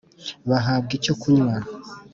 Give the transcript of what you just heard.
bahabwa icyo kunywa